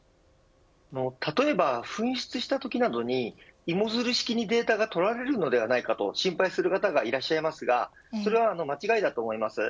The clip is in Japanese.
例えば紛失したときなどに芋づる式にデータが取られるのではないかと心配する方がいらっしゃいますがそれは間違いだと思います。